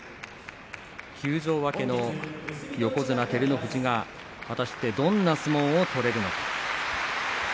休場明けの横綱照ノ富士が果たしてどんな相撲を取れるのか。